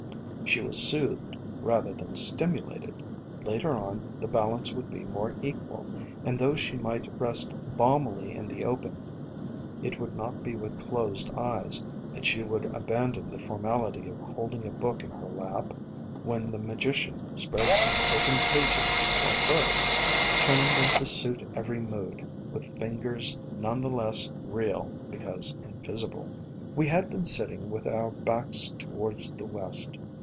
She was soothed rather than stimu 236 FLOWERS OF THE SUN lated. Later on the balance would be more equal, and though she might rest balmily in the open, it would not be with closed eyes, and she would aban don the formality of holding a book in her lap when the Magician spreads his open pages before her, turning them to suit every mood, with fingers none the less real because invisible. We had been sitting with our backs toward the west.